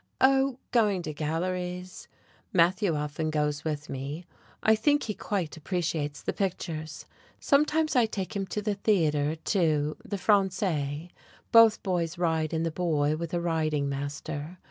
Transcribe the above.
"Oh, going to galleries. Matthew often goes with me. I think he quite appreciates the pictures. Sometimes I take him to the theatre, too, the Francais. Both boys ride in the Bois with a riding master.